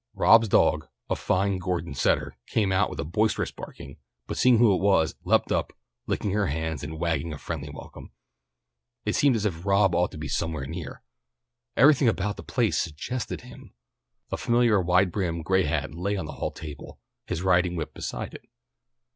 Rob's dog, a fine Gordon setter, came out with a boisterous barking, but seeing who it was, leaped up, licking her hands and wagging a friendly welcome. It seemed as if Rob ought to be somewhere near. Everything about the place suggested him. A familiar wide brimmed gray hat lay on the hall table, his riding whip beside it.